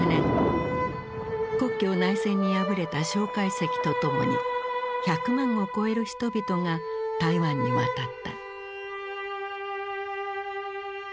国共内戦に敗れた介石と共に１００万を超える人々が台湾に渡った。